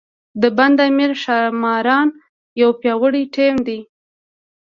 د بند امیر ښاماران یو پیاوړی ټیم دی.